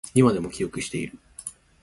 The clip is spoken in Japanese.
今でも記憶している